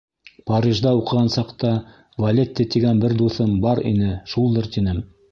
Парижда уҡыған саҡта Валетти тигән бер дуҫым бар ине, шулдыр, тинем.